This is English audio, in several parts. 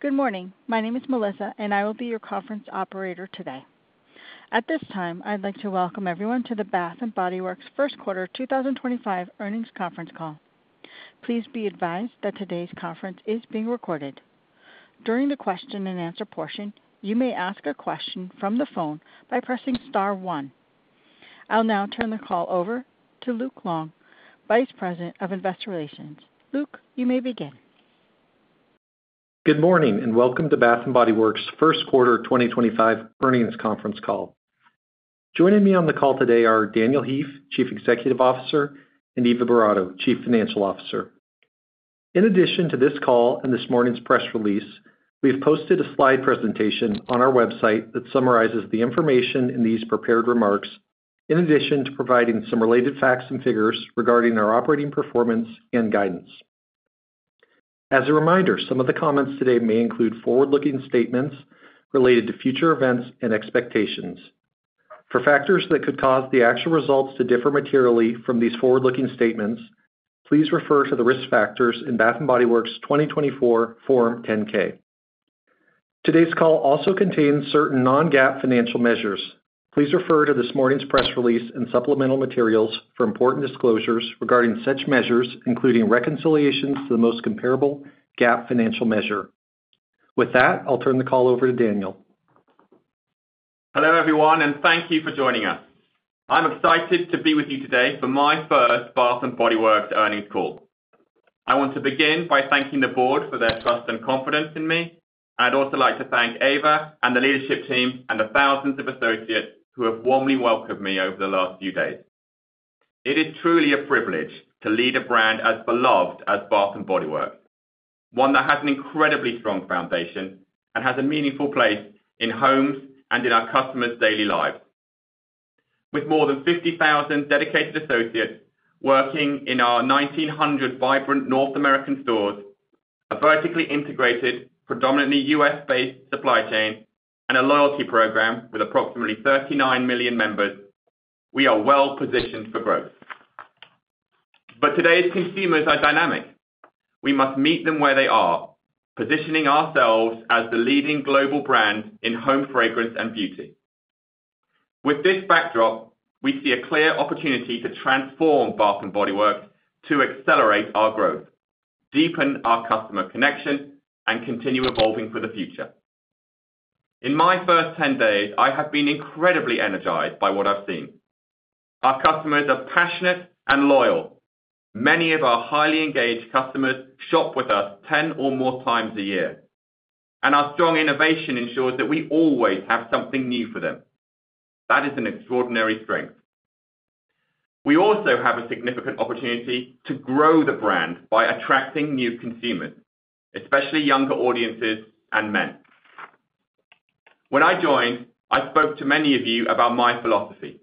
Good morning. My name is Melissa, and I will be your conference operator today. At this time, I'd like to welcome everyone to the Bath & Body Works First Quarter 2025 earnings conference call. Please be advised that today's conference is being recorded. During the question-and-answer portion, you may ask a question from the phone by pressing *one. I'll now turn the call over to Luke Long, Vice President of Investor Relations. Luke, you may begin. Good morning and welcome to Bath & Body Works First Quarter 2025 earnings conference call. Joining me on the call today are Daniel Heaf, Chief Executive Officer, and Eva Boratto, Chief Financial Officer. In addition to this call and this morning's press release, we have posted a slide presentation on our website that summarizes the information in these prepared remarks, in addition to providing some related facts and figures regarding our operating performance and guidance. As a reminder, some of the comments today may include forward-looking statements related to future events and expectations. For factors that could cause the actual results to differ materially from these forward-looking statements, please refer to the risk factors in Bath & Body Works 2024 Form 10-K. Today's call also contains certain non-GAAP financial measures. Please refer to this morning's press release and supplemental materials for important disclosures regarding such measures, including reconciliations to the most comparable GAAP financial measure. With that, I'll turn the call over to Daniel. Hello everyone, and thank you for joining us. I'm excited to be with you today for my first Bath & Body Works earnings call. I want to begin by thanking the board for their trust and confidence in me. I'd also like to thank Eva and the leadership team and the thousands of associates who have warmly welcomed me over the last few days. It is truly a privilege to lead a brand as beloved as Bath & Body Works, one that has an incredibly strong foundation and has a meaningful place in homes and in our customers' daily lives. With more than 50,000 dedicated associates working in our 1,900 vibrant North American stores, a vertically integrated, predominantly U.S.-based supply chain, and a loyalty program with approximately 39 million members, we are well positioned for growth. Today's consumers are dynamic. We must meet them where they are, positioning ourselves as the leading global brand in home fragrance and beauty. With this backdrop, we see a clear opportunity to transform Bath & Body Works to accelerate our growth, deepen our customer connection, and continue evolving for the future. In my first 10 days, I have been incredibly energized by what I've seen. Our customers are passionate and loyal. Many of our highly engaged customers shop with us 10 or more times a year, and our strong innovation ensures that we always have something new for them. That is an extraordinary strength. We also have a significant opportunity to grow the brand by attracting new consumers, especially younger audiences and men. When I joined, I spoke to many of you about my philosophy.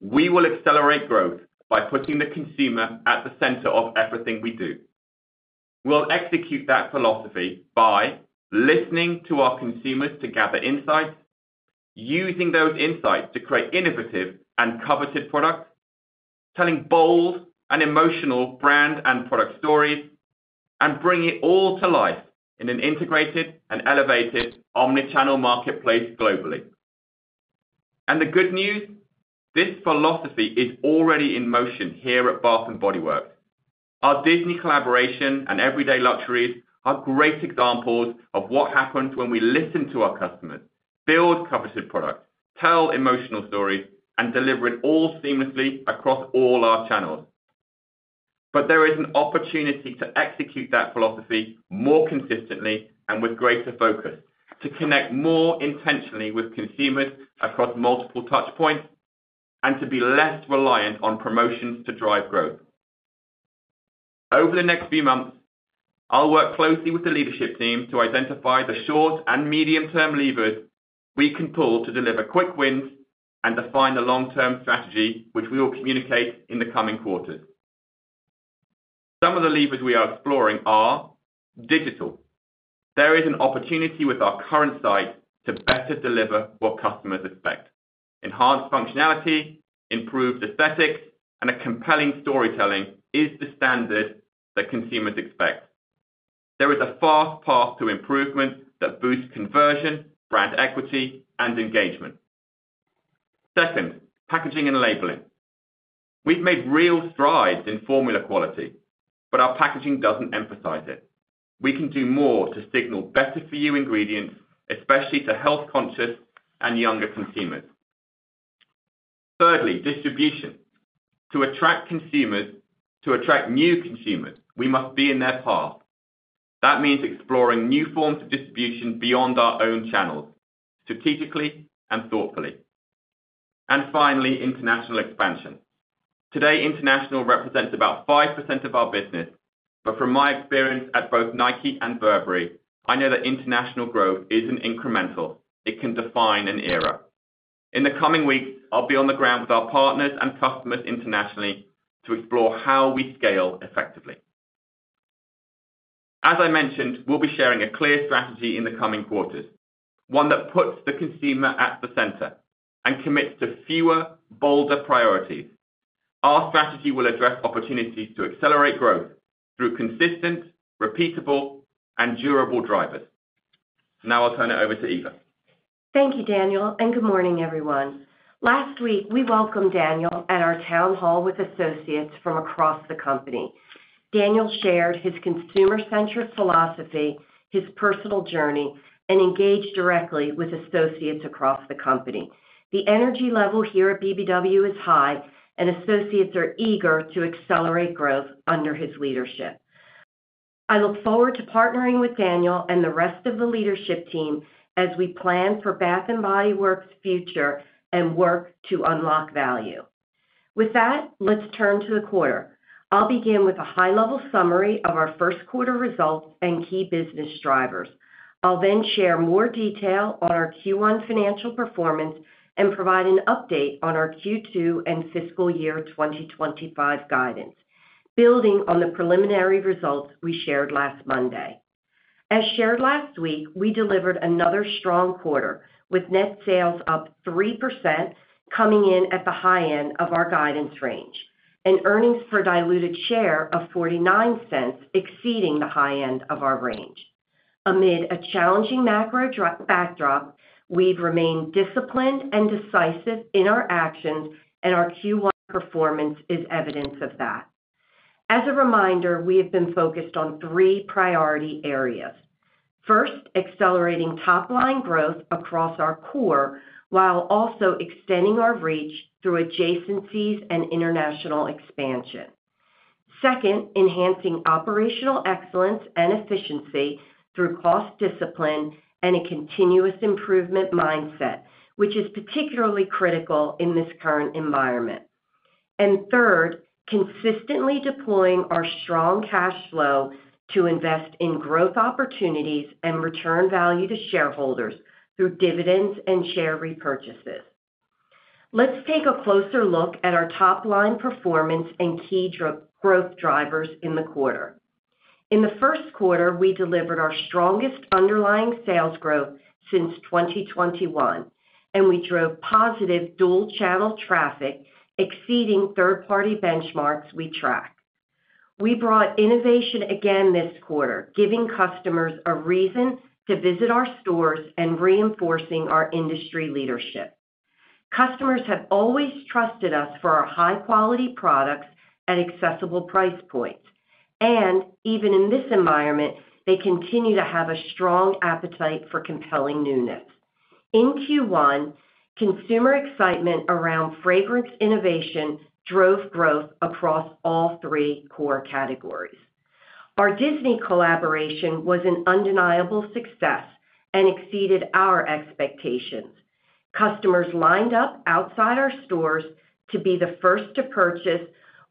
We will accelerate growth by putting the consumer at the center of everything we do. We'll execute that philosophy by listening to our consumers to gather insights, using those insights to create innovative and coveted products, telling bold and emotional brand and product stories, and bringing it all to life in an integrated and elevated omnichannel marketplace globally. The good news? This philosophy is already in motion here at Bath & Body Works. Our Disney collaboration and Everyday Luxuries are great examples of what happens when we listen to our customers, build coveted products, tell emotional stories, and deliver it all seamlessly across all our channels. There is an opportunity to execute that philosophy more consistently and with greater focus, to connect more intentionally with consumers across multiple touchpoints, and to be less reliant on promotions to drive growth. Over the next few months, I'll work closely with the leadership team to identify the short and medium-term levers we can pull to deliver quick wins and define the long-term strategy, which we will communicate in the coming quarters. Some of the levers we are exploring are digital. There is an opportunity with our current site to better deliver what customers expect. Enhanced functionality, improved aesthetics, and compelling storytelling is the standard that consumers expect. There is a fast path to improvement that boosts conversion, brand equity, and engagement. Second, packaging and labeling. We've made real strides in formula quality, but our packaging doesn't emphasize it. We can do more to signal better-for-you ingredients, especially to health-conscious and younger consumers. Thirdly, distribution. To attract new consumers, we must be in their path. That means exploring new forms of distribution beyond our own channels, strategically and thoughtfully. Finally, international expansion. Today, international represents about 5% of our business, but from my experience at both Nike and Burberry, I know that international growth isn't incremental; it can define an era. In the coming weeks, I'll be on the ground with our partners and customers internationally to explore how we scale effectively. As I mentioned, we'll be sharing a clear strategy in the coming quarters, one that puts the consumer at the center and commits to fewer, bolder priorities. Our strategy will address opportunities to accelerate growth through consistent, repeatable, and durable drivers. Now I'll turn it over to Eva. Thank you, Daniel, and good morning, everyone. Last week, we welcomed Daniel at our town hall with associates from across the company. Daniel shared his consumer-centric philosophy, his personal journey, and engaged directly with associates across the company. The energy level here at Bath & Body Works is high, and associates are eager to accelerate growth under his leadership. I look forward to partnering with Daniel and the rest of the leadership team as we plan for Bath & Body Works' future and work to unlock value. With that, let's turn to the quarter. I'll begin with a high-level summary of our first quarter results and key business drivers. I'll then share more detail on our Q1 financial performance and provide an update on our Q2 and fiscal year 2025 guidance, building on the preliminary results we shared last Monday. As shared last week, we delivered another strong quarter, with net sales up 3%, coming in at the high end of our guidance range, and earnings per diluted share of $0.49 exceeding the high end of our range. Amid a challenging macro backdrop, we've remained disciplined and decisive in our actions, and our Q1 performance is evidence of that. As a reminder, we have been focused on three priority areas. First, accelerating top-line growth across our core while also extending our reach through adjacencies and international expansion. Second, enhancing operational excellence and efficiency through cost discipline and a continuous improvement mindset, which is particularly critical in this current environment. Third, consistently deploying our strong cash flow to invest in growth opportunities and return value to shareholders through dividends and share repurchases. Let's take a closer look at our top-line performance and key growth drivers in the quarter. In the first quarter, we delivered our strongest underlying sales growth since 2021, and we drove positive dual-channel traffic exceeding third-party benchmarks we track. We brought innovation again this quarter, giving customers a reason to visit our stores and reinforcing our industry leadership. Customers have always trusted us for our high-quality products at accessible price points, and even in this environment, they continue to have a strong appetite for compelling newness. In Q1, consumer excitement around fragrance innovation drove growth across all three core categories. Our Disney collaboration was an undeniable success and exceeded our expectations. Customers lined up outside our stores to be the first to purchase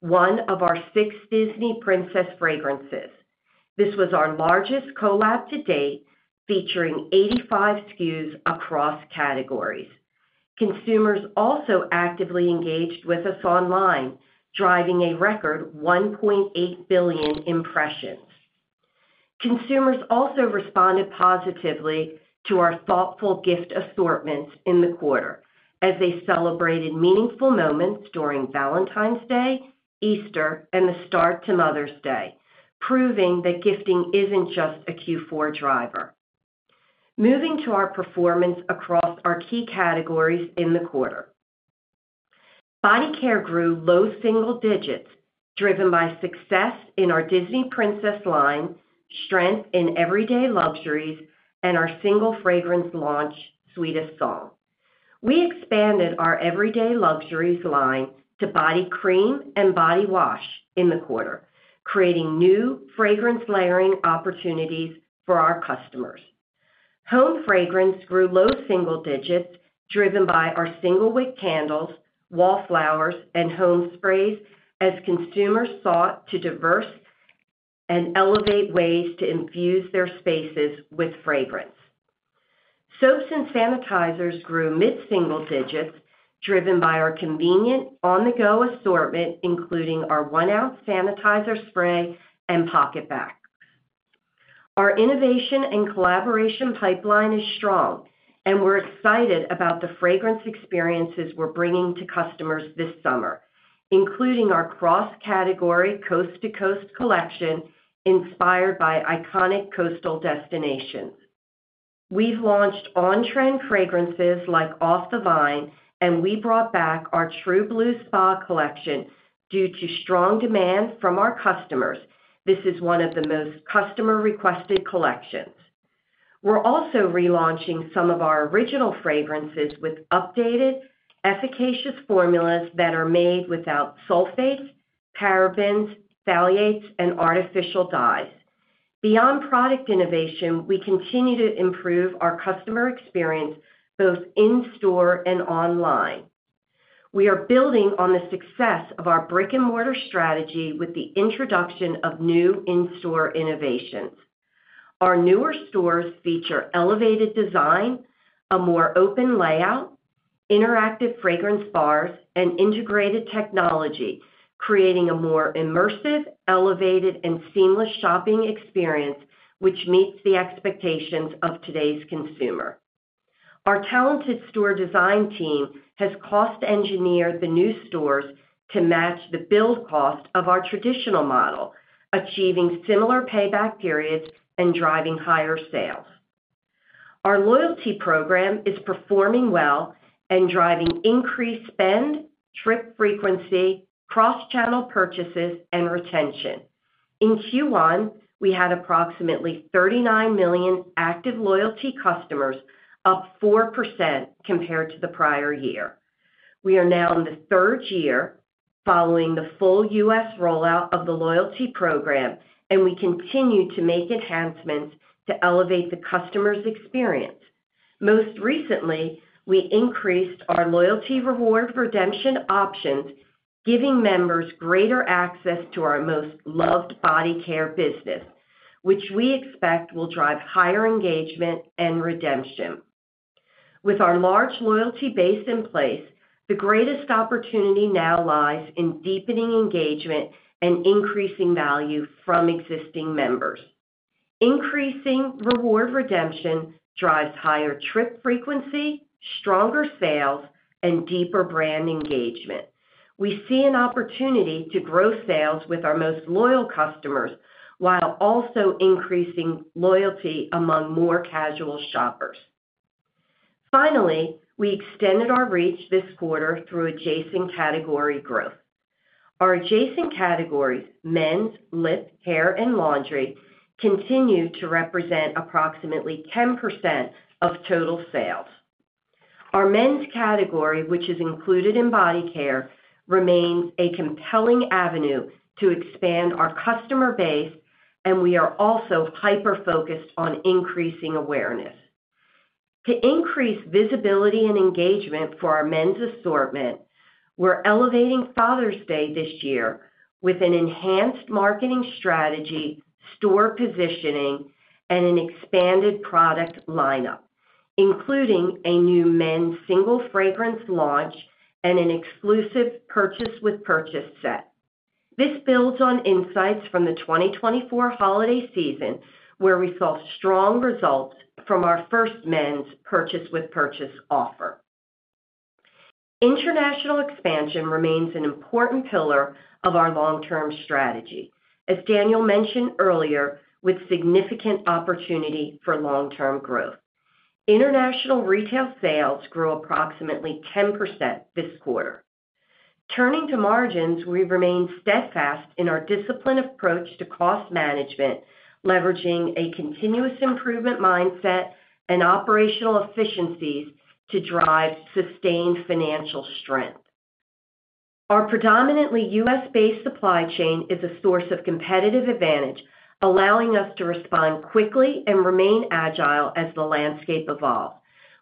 one of our six Disney Princess fragrances. This was our largest collab to date, featuring 85 SKUs across categories. Consumers also actively engaged with us online, driving a record 1.8 billion impressions. Consumers also responded positively to our thoughtful gift assortments in the quarter as they celebrated meaningful moments during Valentine's Day, Easter, and the start to Mother's Day, proving that gifting isn't just a Q4 driver. Moving to our performance across our key categories in the quarter, body care grew low single digits, driven by success in our Disney Princess line, strength in Everyday Luxuries, and our single fragrance launch, Sweetest Song. We expanded our Everyday Luxuries line to body cream and body wash in the quarter, creating new fragrance layering opportunities for our customers. Home fragrance grew low single digits, driven by our single wick candles, wall flowers, and home sprays as consumers sought to diversify and elevate ways to infuse their spaces with fragrance. Soaps and sanitizers grew mid-single digits, driven by our convenient on-the-go assortment, including our one-ounce sanitizer spray and pocket bag. Our innovation and collaboration pipeline is strong, and we're excited about the fragrance experiences we're bringing to customers this summer, including our cross-category coast-to-coast collection inspired by iconic coastal destinations. We've launched on-trend fragrances like Off the Vine, and we brought back our True Blue Spa collection due to strong demand from our customers. This is one of the most customer-requested collections. We're also relaunching some of our original fragrances with updated, efficacious formulas that are made without sulfates, parabens, phthalates, and artificial dyes. Beyond product innovation, we continue to improve our customer experience both in-store and online. We are building on the success of our brick-and-mortar strategy with the introduction of new in-store innovations. Our newer stores feature elevated design, a more open layout, interactive fragrance bars, and integrated technology, creating a more immersive, elevated, and seamless shopping experience which meets the expectations of today's consumer. Our talented store design team has cost-engineered the new stores to match the build cost of our traditional model, achieving similar payback periods and driving higher sales. Our loyalty program is performing well and driving increased spend, trip frequency, cross-channel purchases, and retention. In Q1, we had approximately 39 million active loyalty customers, up 4% compared to the prior year. We are now in the third year following the full U.S. rollout of the loyalty program, and we continue to make enhancements to elevate the customer's experience. Most recently, we increased our loyalty reward redemption options, giving members greater access to our most loved body care business, which we expect will drive higher engagement and redemption. With our large loyalty base in place, the greatest opportunity now lies in deepening engagement and increasing value from existing members. Increasing reward redemption drives higher trip frequency, stronger sales, and deeper brand engagement. We see an opportunity to grow sales with our most loyal customers while also increasing loyalty among more casual shoppers. Finally, we extended our reach this quarter through adjacent category growth. Our adjacent categories, men's, lip, hair, and laundry, continue to represent approximately 10% of total sales. Our men's category, which is included in body care, remains a compelling avenue to expand our customer base, and we are also hyper-focused on increasing awareness. To increase visibility and engagement for our men's assortment, we're elevating Father's Day this year with an enhanced marketing strategy, store positioning, and an expanded product lineup, including a new men's single fragrance launch and an exclusive purchase-with-purchase set. This builds on insights from the 2024 holiday season, where we saw strong results from our first men's purchase-with-purchase offer. International expansion remains an important pillar of our long-term strategy. As Daniel mentioned earlier, with significant opportunity for long-term growth, international retail sales grew approximately 10% this quarter. Turning to margins, we remain steadfast in our disciplined approach to cost management, leveraging a continuous improvement mindset and operational efficiencies to drive sustained financial strength. Our predominantly U.S.-based supply chain is a source of competitive advantage, allowing us to respond quickly and remain agile as the landscape evolves.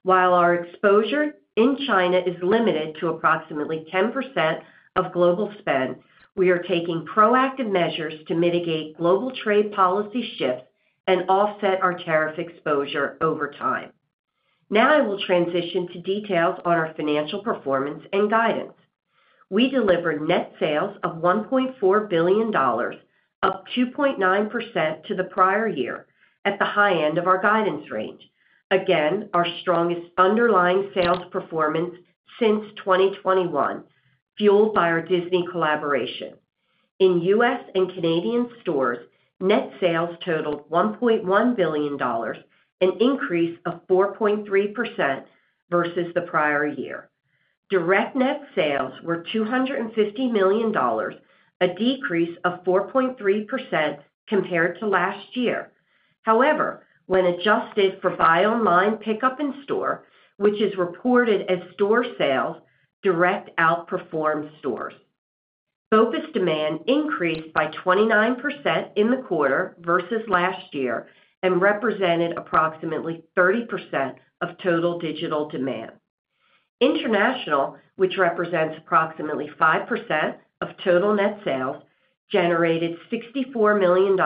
While our exposure in China is limited to approximately 10% of global spend, we are taking proactive measures to mitigate global trade policy shifts and offset our tariff exposure over time. Now I will transition to details on our financial performance and guidance. We delivered net sales of $1.4 billion, up 2.9% to the prior year, at the high end of our guidance range, again our strongest underlying sales performance since 2021, fueled by our Disney collaboration. In U.S. and Canadian stores, net sales totaled $1.1 billion, an increase of 4.3% versus the prior year. Direct net sales were $250 million, a decrease of 4.3% compared to last year. However, when adjusted for buy-online pickup in store, which is reported as store sales, direct outperformed stores. Focus demand increased by 29% in the quarter versus last year and represented approximately 30% of total digital demand. International, which represents approximately 5% of total net sales, generated $64 million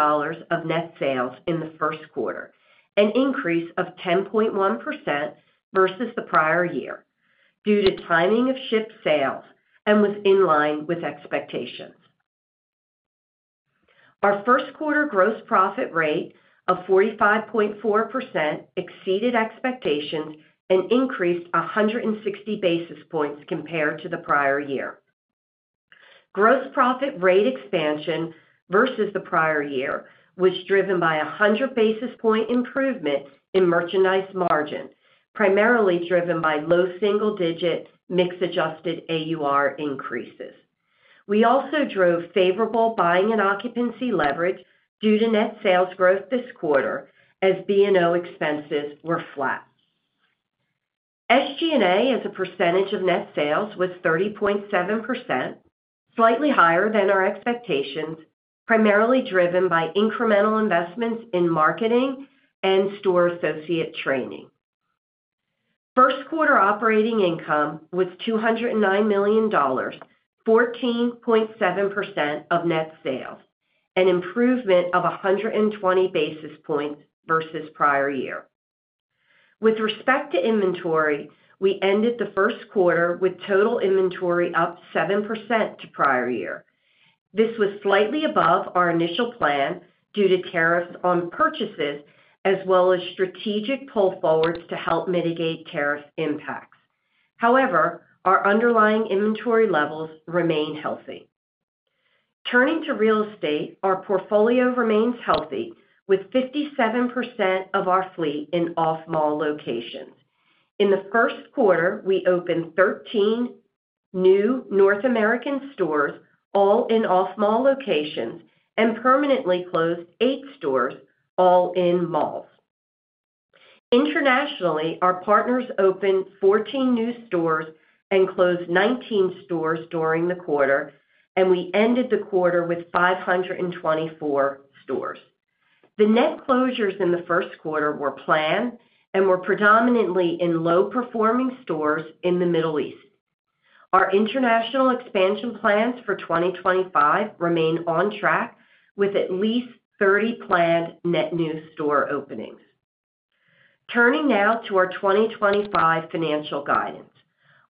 of net sales in the first quarter, an increase of 10.1% versus the prior year, due to timing of shipped sales and was in line with expectations. Our first quarter gross profit rate of 45.4% exceeded expectations and increased 160 basis points compared to the prior year. Gross profit rate expansion versus the prior year was driven by a 100 basis point improvement in merchandise margin, primarily driven by low single-digit mix-adjusted AUR increases. We also drove favorable buying and occupancy leverage due to net sales growth this quarter as B&O expenses were flat. SG&A as a percentage of net sales was 30.7%, slightly higher than our expectations, primarily driven by incremental investments in marketing and store associate training. First quarter operating income was $209 million, 14.7% of net sales, an improvement of 120 basis points versus prior year. With respect to inventory, we ended the first quarter with total inventory up 7% to prior year. This was slightly above our initial plan due to tariffs on purchases as well as strategic pull forwards to help mitigate tariff impacts. However, our underlying inventory levels remain healthy. Turning to real estate, our portfolio remains healthy with 57% of our fleet in off-mall locations. In the first quarter, we opened 13 new North American stores, all in off-mall locations, and permanently closed 8 stores, all in malls. Internationally, our partners opened 14 new stores and closed 19 stores during the quarter, and we ended the quarter with 524 stores. The net closures in the first quarter were planned and were predominantly in low-performing stores in the Middle East. Our international expansion plans for 2025 remain on track with at least 30 planned net new store openings. Turning now to our 2025 financial guidance.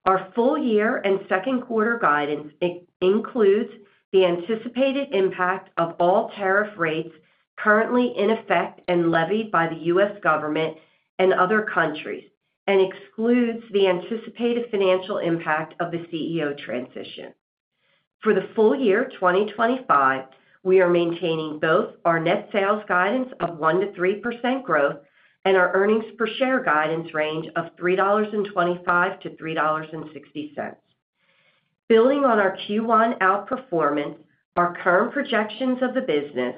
Our full year and second quarter guidance includes the anticipated impact of all tariff rates currently in effect and levied by the U.S. government and other countries and excludes the anticipated financial impact of the CEO transition. For the full year 2025, we are maintaining both our net sales guidance of 1-3% growth and our earnings per share guidance range of $3.25-$3.60. Building on our Q1 outperformance, our current projections of the business,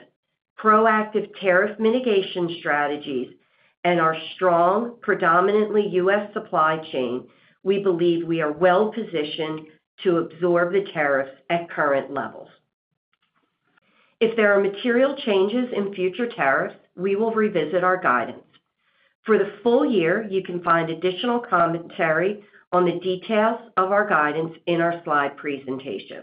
proactive tariff mitigation strategies, and our strong, predominantly U.S. supply chain, we believe we are well-positioned to absorb the tariffs at current levels. If there are material changes in future tariffs, we will revisit our guidance. For the full year, you can find additional commentary on the details of our guidance in our slide presentation.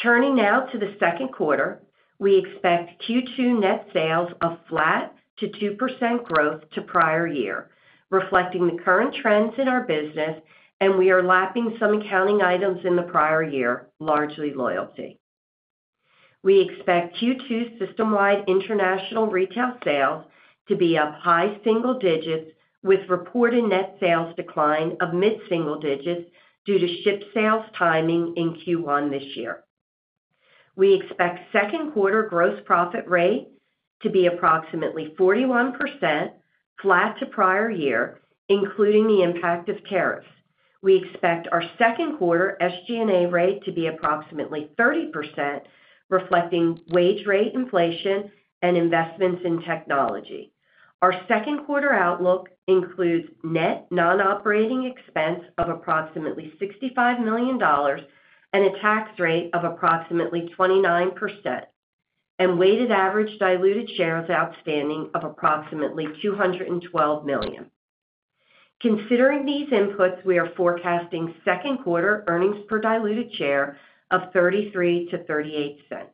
Turning now to the second quarter, we expect Q2 net sales of flat to 2% growth to prior year, reflecting the current trends in our business, and we are lapping some accounting items in the prior year, largely loyalty. We expect Q2 system-wide international retail sales to be up high single digits with reported net sales decline of mid-single digits due to shipped sales timing in Q1 this year. We expect second quarter gross profit rate to be approximately 41%, flat to prior year, including the impact of tariffs. We expect our second quarter SG&A rate to be approximately 30%, reflecting wage rate inflation and investments in technology. Our second quarter outlook includes net non-operating expense of approximately $65 million and a tax rate of approximately 29%, and weighted average diluted shares outstanding of approximately 212 million. Considering these inputs, we are forecasting second quarter earnings per diluted share of $0.33-$0.38.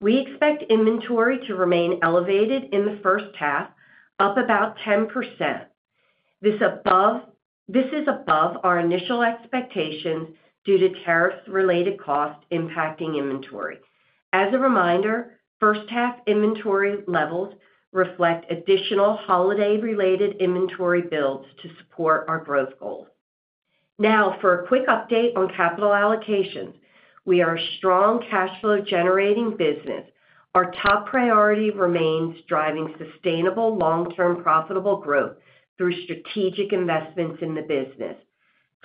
We expect inventory to remain elevated in the first half, up about 10%. This is above our initial expectations due to tariff-related costs impacting inventory. As a reminder, first-half inventory levels reflect additional holiday-related inventory builds to support our growth goals. Now, for a quick update on capital allocations. We are a strong cash flow generating business. Our top priority remains driving sustainable long-term profitable growth through strategic investments in the business.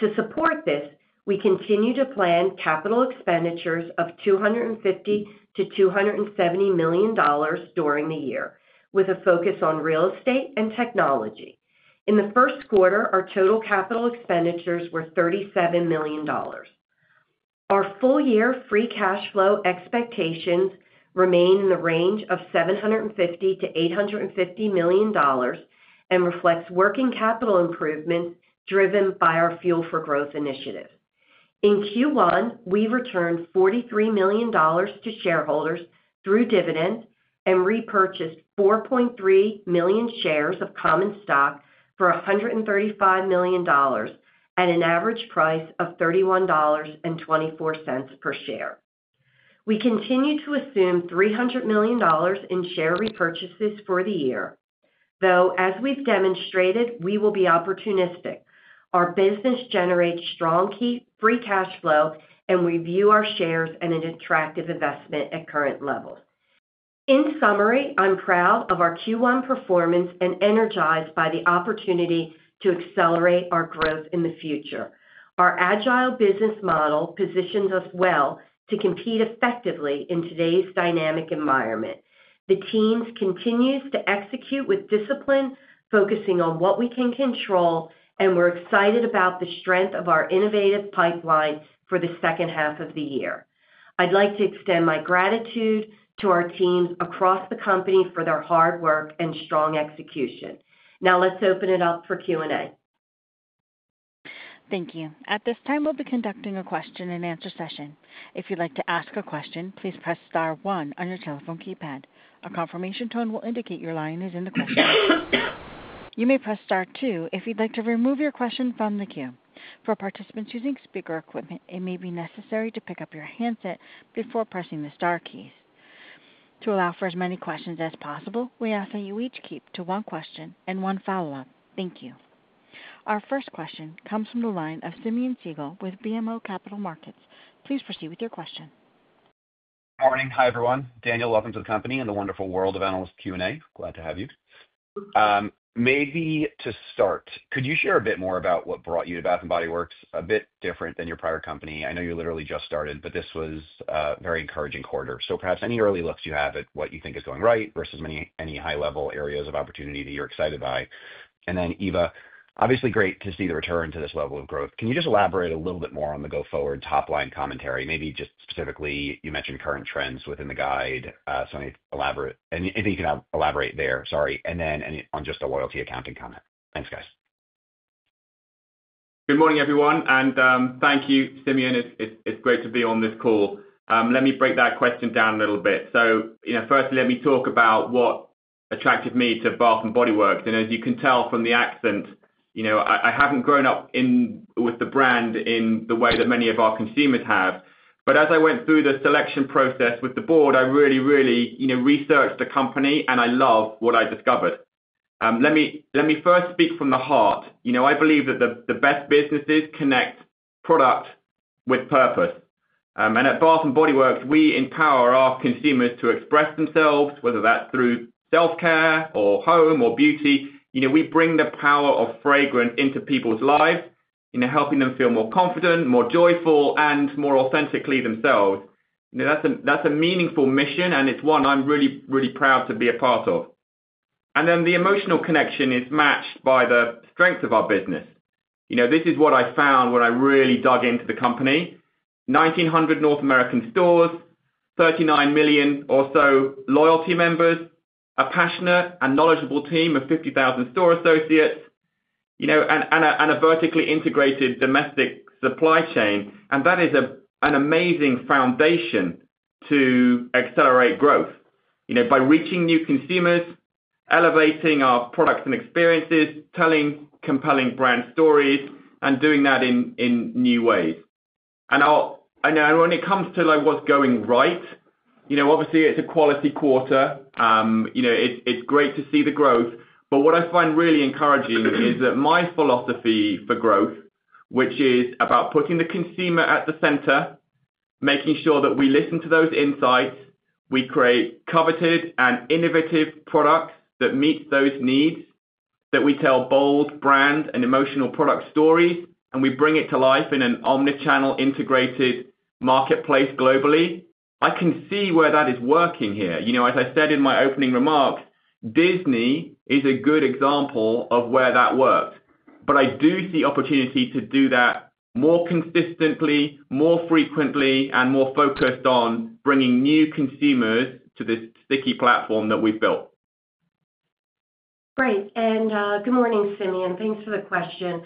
To support this, we continue to plan capital expenditures of $250 million-$270 million during the year, with a focus on real estate and technology. In the first quarter, our total capital expenditures were $37 million. Our full year free cash flow expectations remain in the range of $750 million-$850 million and reflect working capital improvements driven by our fuel for growth initiative. In Q1, we returned $43 million to shareholders through dividends and repurchased 4.3 million shares of common stock for $135 million at an average price of $31.24 per share. We continue to assume $300 million in share repurchases for the year, though, as we've demonstrated, we will be opportunistic. Our business generates strong free cash flow, and we view our shares as an attractive investment at current levels. In summary, I'm proud of our Q1 performance and energized by the opportunity to accelerate our growth in the future. Our agile business model positions us well to compete effectively in today's dynamic environment. The team continues to execute with discipline, focusing on what we can control, and we're excited about the strength of our innovative pipeline for the second half of the year. I'd like to extend my gratitude to our teams across the company for their hard work and strong execution. Now, let's open it up for Q&A. Thank you. At this time, we'll be conducting a question-and-answer session. If you'd like to ask a question, please press *one on your telephone keypad. A confirmation tone will indicate your line is in the questions. You may press *two if you'd like to remove your question from the queue. For participants using speaker equipment, it may be necessary to pick up your handset before pressing the *keys. To allow for as many questions as possible, we ask that you each keep to one question and one follow-up. Thank you. Our first question comes from the line of Simeon Siegel with BMO Capital Markets. Please proceed with your question. Good morning. Hi, everyone. Daniel, welcome to the company and the wonderful world of analyst Q&A. Glad to have you. Maybe to start, could you share a bit more about what brought you to Bath & Body Works a bit different than your prior company? I know you literally just started, but this was a very encouraging quarter. Perhaps any early looks you have at what you think is going right versus any high-level areas of opportunity that you're excited by. Eva, obviously great to see the return to this level of growth. Can you just elaborate a little bit more on the go-forward top-line commentary? Maybe just specifically, you mentioned current trends within the guide. Anything you can elaborate there, sorry. On just a loyalty accounting comment. Thanks, guys. Good morning, everyone. Thank you, Simeon. It's great to be on this call. Let me break that question down a little bit. First, let me talk about what attracted me to Bath & Body Works. As you can tell from the accent, I haven't grown up with the brand in the way that many of our consumers have. As I went through the selection process with the board, I really, really researched the company, and I love what I discovered. Let me first speak from the heart. I believe that the best businesses connect product with purpose. At Bath & Body Works, we empower our consumers to express themselves, whether that's through self-care or home or beauty. We bring the power of fragrance into people's lives, helping them feel more confident, more joyful, and more authentically themselves. That's a meaningful mission, and it's one I'm really, really proud to be a part of. The emotional connection is matched by the strength of our business. This is what I found when I really dug into the company: 1,900 North American stores, 39 million or so loyalty members, a passionate and knowledgeable team of 50,000 store associates, and a vertically integrated domestic supply chain. That is an amazing foundation to accelerate growth by reaching new consumers, elevating our products and experiences, telling compelling brand stories, and doing that in new ways. When it comes to what's going right, obviously, it's a quality quarter. It's great to see the growth. What I find really encouraging is that my philosophy for growth, which is about putting the consumer at the center, making sure that we listen to those insights, we create coveted and innovative products that meet those needs, that we tell bold brand and emotional product stories, and we bring it to life in an omnichannel integrated marketplace globally, I can see where that is working here. As I said in my opening remarks, Disney is a good example of where that works. I do see opportunity to do that more consistently, more frequently, and more focused on bringing new consumers to this sticky platform that we have built. Great. Good morning, Simeon. Thanks for the question.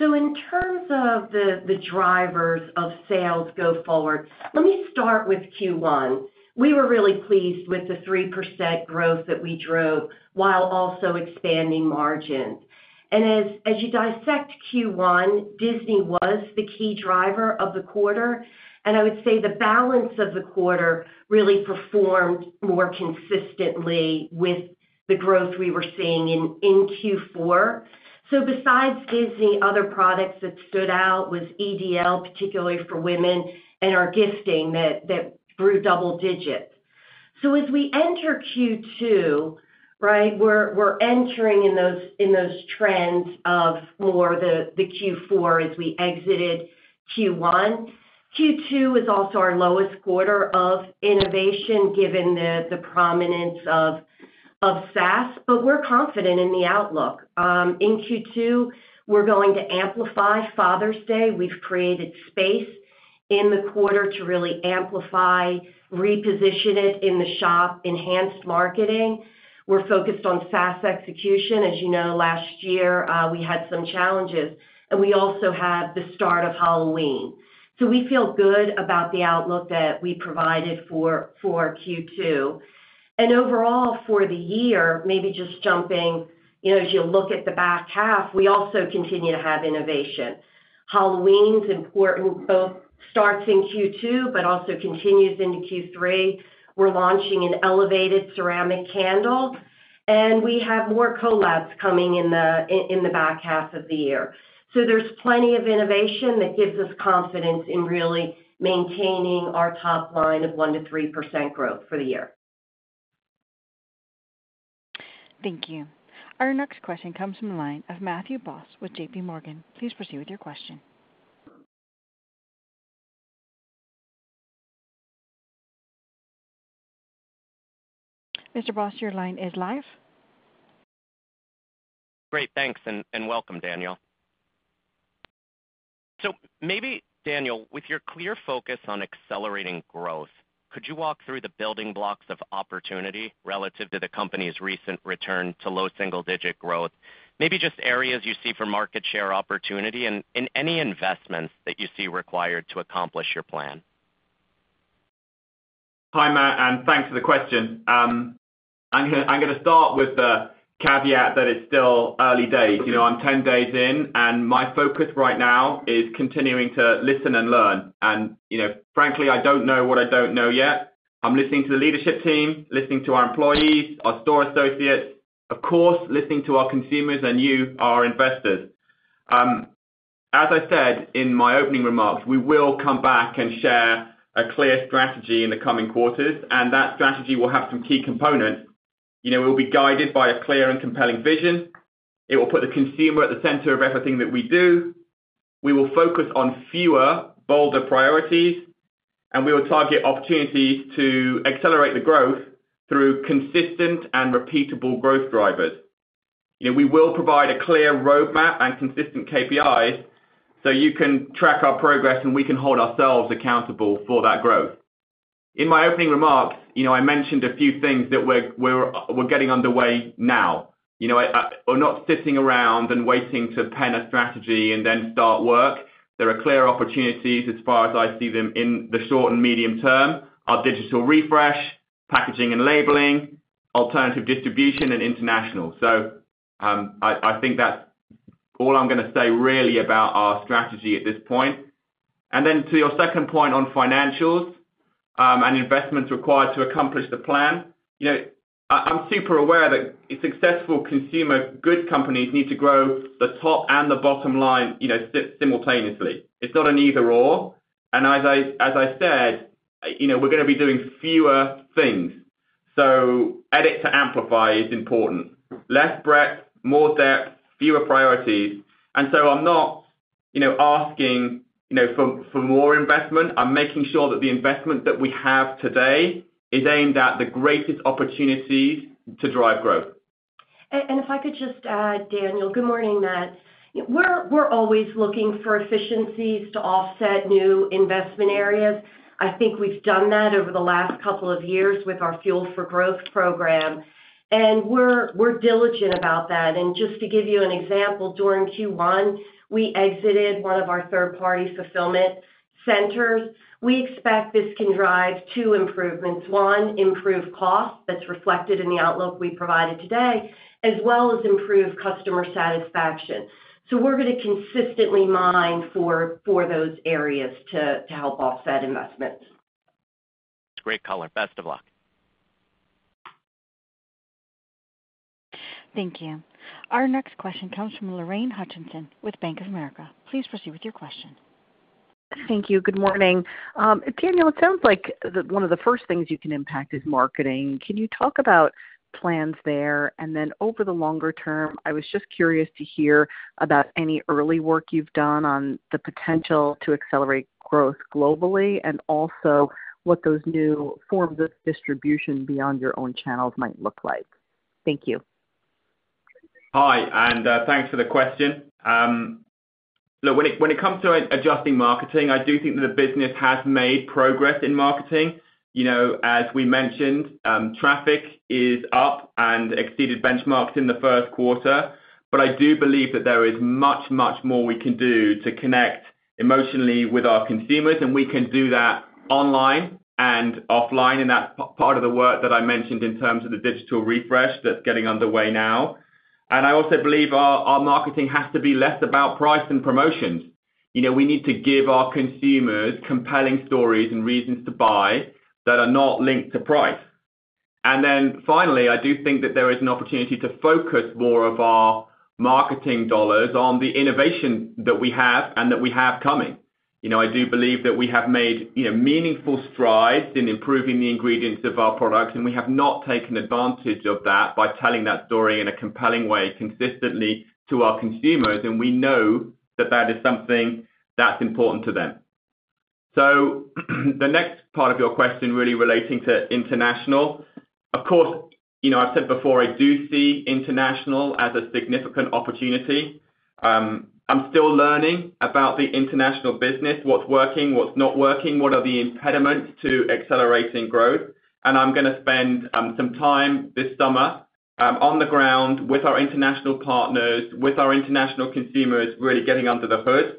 In terms of the drivers of sales go-forward, let me start with Q1. We were really pleased with the 3% growth that we drove while also expanding margins. As you dissect Q1, Disney was the key driver of the quarter. I would say the balance of the quarter really performed more consistently with the growth we were seeing in Q4. Besides Disney, other products that stood out were EDL, particularly for women, and our gifting that grew double digits. As we enter Q2, we are entering in those trends of more the Q4 as we exited Q1. Q2 is also our lowest quarter of innovation given the prominence of SaaS. We are confident in the outlook. In Q2, we are going to amplify Father's Day. We have created space in the quarter to really amplify, reposition it in the shop, enhanced marketing. We are focused on SaaS execution. As you know, last year, we had some challenges. We also have the start of Halloween. We feel good about the outlook that we provided for Q2. Overall, for the year, maybe just jumping, as you look at the back half, we also continue to have innovation. Halloween is important, both starts in Q2, but also continues into Q3. We are launching an elevated ceramic candle. We have more collabs coming in the back half of the year. There is plenty of innovation that gives us confidence in really maintaining our top line of 1-3% growth for the year. Thank you. Our next question comes from the line of Matthew Boss with J.P. Morgan. Please proceed with your question. Mr. Boss, your line is live. Great. Thanks. Welcome, Daniel. Maybe, Daniel, with your clear focus on accelerating growth, could you walk through the building blocks of opportunity relative to the company's recent return to low single-digit growth? Maybe just areas you see for market share opportunity and any investments that you see required to accomplish your plan. Hi, Matt. Thanks for the question. I'm going to start with the caveat that it's still early days. I'm 10 days in, and my focus right now is continuing to listen and learn. Frankly, I don't know what I don't know yet. I'm listening to the leadership team, listening to our employees, our store associates, of course, listening to our consumers and you, our investors. As I said in my opening remarks, we will come back and share a clear strategy in the coming quarters. That strategy will have some key components. It will be guided by a clear and compelling vision. It will put the consumer at the center of everything that we do. We will focus on fewer, bolder priorities, and we will target opportunities to accelerate the growth through consistent and repeatable growth drivers. We will provide a clear roadmap and consistent KPIs so you can track our progress, and we can hold ourselves accountable for that growth. In my opening remarks, I mentioned a few things that we're getting underway now. We're not sitting around and waiting to pen a strategy and then start work. There are clear opportunities as far as I see them in the short and medium term: our digital refresh, packaging and labeling, alternative distribution, and international. I think that's all I'm going to say really about our strategy at this point. To your second point on financials and investments required to accomplish the plan, I'm super aware that successful consumer goods companies need to grow the top and the bottom line simultaneously. It's not an either/or. As I said, we're going to be doing fewer things. Edit to amplify is important. Less breadth, more depth, fewer priorities. I'm not asking for more investment. I'm making sure that the investment that we have today is aimed at the greatest opportunities to drive growth. If I could just add, Daniel, good morning, Matt. We're always looking for efficiencies to offset new investment areas. I think we've done that over the last couple of years with our fuel for growth program. We're diligent about that. Just to give you an example, during Q1, we exited one of our third-party fulfillment centers. We expect this can drive two improvements: one, improve costs that's reflected in the outlook we provided today, as well as improve customer satisfaction. We're going to consistently mine for those areas to help offset investments. That's great color. Best of luck. Thank you. Our next question comes from Lorraine Hutchinson with Bank of America. Please proceed with your question. Thank you. Good morning. Daniel, it sounds like one of the first things you can impact is marketing. Can you talk about plans there? And then over the longer term, I was just curious to hear about any early work you've done on the potential to accelerate growth globally and also what those new forms of distribution beyond your own channels might look like. Thank you. Hi. And thanks for the question. Look, when it comes to adjusting marketing, I do think that the business has made progress in marketing. As we mentioned, traffic is up and exceeded benchmarks in the first quarter. But I do believe that there is much, much more we can do to connect emotionally with our consumers. We can do that online and offline. That is part of the work that I mentioned in terms of the digital refresh that is getting underway now. I also believe our marketing has to be less about price than promotions. We need to give our consumers compelling stories and reasons to buy that are not linked to price. Finally, I do think that there is an opportunity to focus more of our marketing dollars on the innovation that we have and that we have coming. I do believe that we have made meaningful strides in improving the ingredients of our products. We have not taken advantage of that by telling that story in a compelling way consistently to our consumers. We know that is something that is important to them. The next part of your question really relating to international, of course, I've said before I do see international as a significant opportunity. I'm still learning about the international business, what's working, what's not working, what are the impediments to accelerating growth. I'm going to spend some time this summer on the ground with our international partners, with our international consumers really getting under the hood.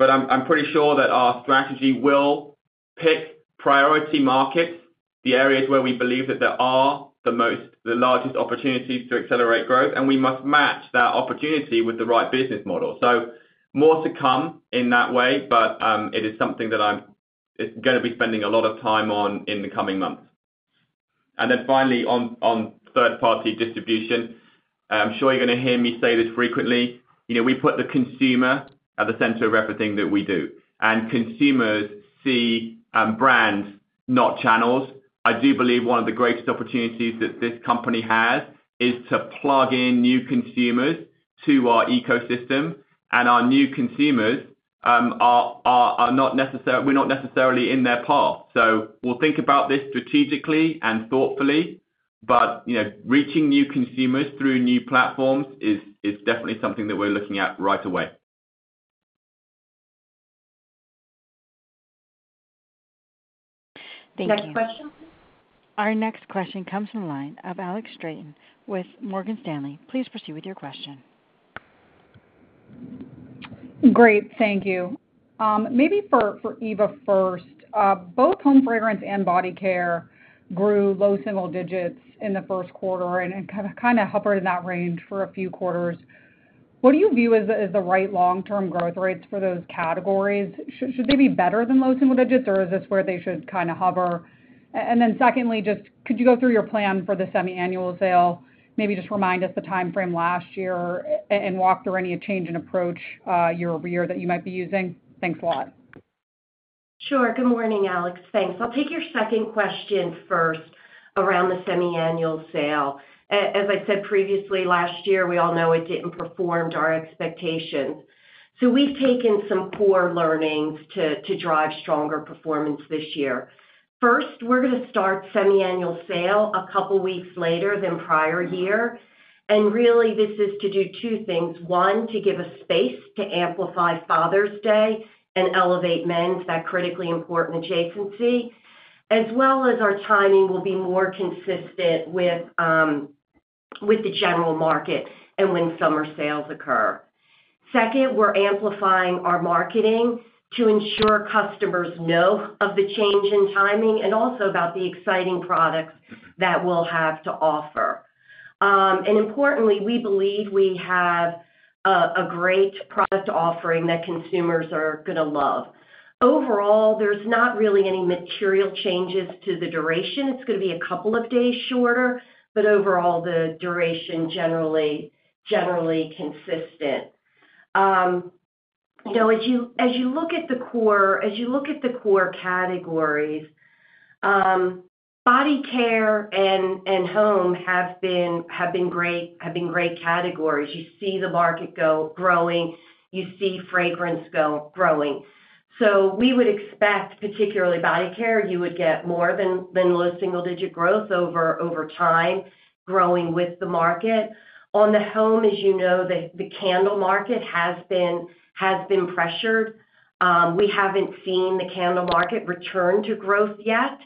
I'm pretty sure that our strategy will pick priority markets, the areas where we believe that there are the largest opportunities to accelerate growth. We must match that opportunity with the right business model. More to come in that way, but it is something that I'm going to be spending a lot of time on in the coming months. Finally, on third-party distribution, I'm sure you're going to hear me say this frequently. We put the consumer at the center of everything that we do. Consumers see brands, not channels. I do believe one of the greatest opportunities that this company has is to plug in new consumers to our ecosystem. Our new consumers, we're not necessarily in their path. We will think about this strategically and thoughtfully. Reaching new consumers through new platforms is definitely something that we're looking at right away. Thank you. Next question? Our next question comes from the line of Alex Straton with Morgan Stanley. Please proceed with your question. Great. Thank you. Maybe for Eva first, both home fragrance and body care grew low single digits in the first quarter and kind of hovered in that range for a few quarters. What do you view as the right long-term growth rates for those categories? Should they be better than low single digits, or is this where they should kind of hover? Secondly, just could you go through your plan for the semi-annual sale, maybe just remind us the timeframe last year and walk through any change in approach year over year that you might be using? Thanks a lot. Sure. Good morning, Alex. Thanks. I'll take your second question first around the semi-annual sale. As I said previously, last year, we all know it did not perform to our expectations. We have taken some core learnings to drive stronger performance this year. First, we are going to start semi-annual sale a couple of weeks later than prior year. Really, this is to do two things. One, to give us space to amplify Father's Day and elevate men's, that critically important adjacency, as well as our timing will be more consistent with the general market and when summer sales occur. Second, we're amplifying our marketing to ensure customers know of the change in timing and also about the exciting products that we'll have to offer. Importantly, we believe we have a great product offering that consumers are going to love. Overall, there's not really any material changes to the duration. It's going to be a couple of days shorter. Overall, the duration generally consistent. As you look at the core categories, body care and home have been great categories. You see the market growing. You see fragrance growing. We would expect, particularly body care, you would get more than low single-digit growth over time growing with the market. On the home, as you know, the candle market has been pressured. We have not seen the candle market return to growth yet.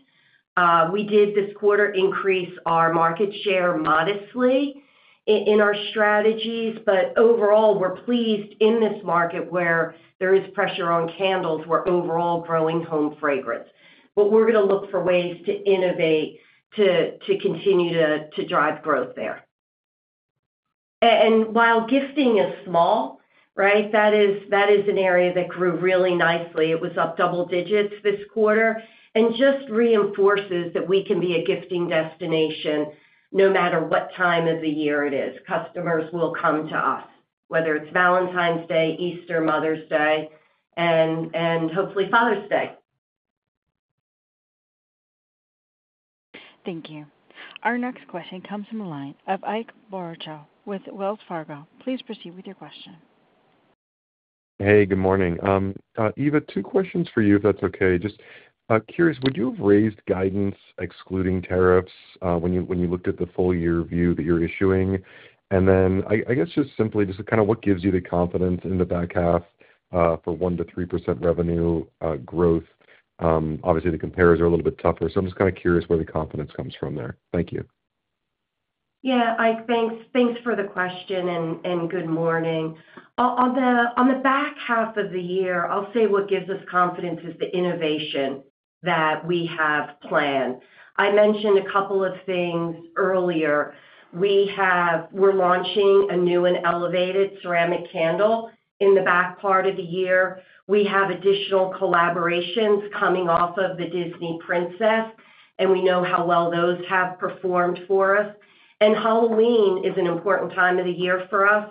We did this quarter increase our market share modestly in our strategies. Overall, we are pleased in this market where there is pressure on candles. We are overall growing home fragrance. We are going to look for ways to innovate to continue to drive growth there. While gifting is small, right, that is an area that grew really nicely. It was up double digits this quarter and just reinforces that we can be a gifting destination no matter what time of the year it is. Customers will come to us, whether it is Valentine's Day, Easter, Mother's Day, and hopefully Father's Day. Thank you. Our next question comes from the line of Ike Boruchow with Wells Fargo. Please proceed with your question. Hey, good morning. Eva, two questions for you if that's okay. Just curious, would you have raised guidance excluding tariffs when you looked at the full year view that you're issuing? And then I guess just simply just kind of what gives you the confidence in the back half for 1-3% revenue growth? Obviously, the comparison is a little bit tougher. I'm just kind of curious where the confidence comes from there. Thank you. Yeah. Thanks for the question and good morning. On the back half of the year, I'll say what gives us confidence is the innovation that we have planned. I mentioned a couple of things earlier. We're launching a new and elevated ceramic candle in the back part of the year. We have additional collaborations coming off of the Disney Princess, and we know how well those have performed for us. Halloween is an important time of the year for us.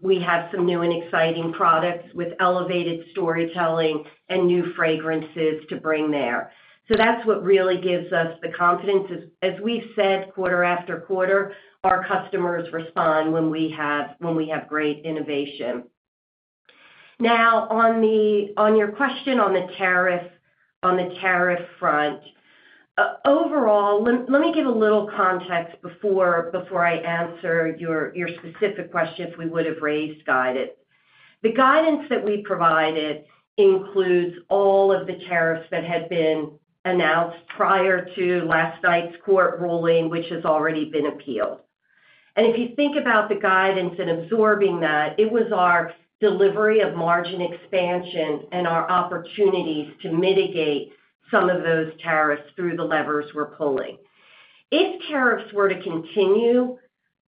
We have some new and exciting products with elevated storytelling and new fragrances to bring there. That is what really gives us the confidence. As we have said, quarter after quarter, our customers respond when we have great innovation. Now, on your question on the tariff front, overall, let me give a little context before I answer your specific question if we would have raised guidance. The guidance that we provided includes all of the tariffs that had been announced prior to last night's court ruling, which has already been appealed. If you think about the guidance and absorbing that, it was our delivery of margin expansion and our opportunities to mitigate some of those tariffs through the levers we're pulling. If tariffs were to continue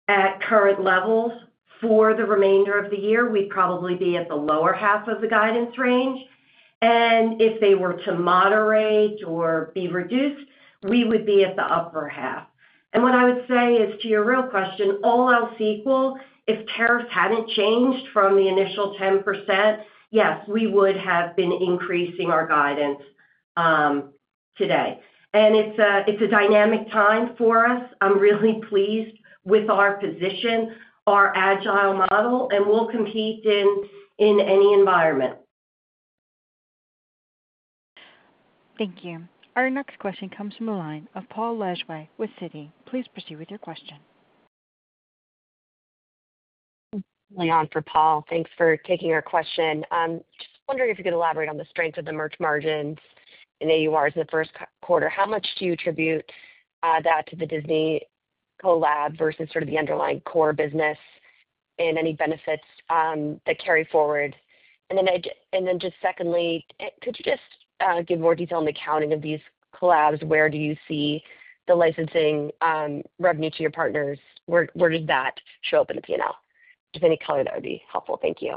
at current levels for the remainder of the year, we'd probably be at the lower half of the guidance range. If they were to moderate or be reduced, we would be at the upper half. What I would say is to your real question, all else equal, if tariffs hadn't changed from the initial 10%, yes, we would have been increasing our guidance today. It is a dynamic time for us. I'm really pleased with our position, our agile model, and we'll compete in any environment. Thank you. Our next question comes from the line of Paul [Lejuez] with Citi. Please proceed with your question. [Lee] for Paul. Thanks for taking our question. Just wondering if you could elaborate on the strength of the merch margins and AURs in the first quarter. How much do you attribute that to the Disney Collab versus sort of the underlying core business and any benefits that carry forward? Then just secondly, could you just give more detail on the accounting of these collabs? Where do you see the licensing revenue to your partners? Where does that show up in the P&L? Just any color that would be helpful. Thank you.